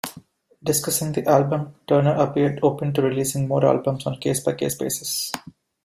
Discussing the album, Turner appeared open to releasing more albums "on a case-by-case basis"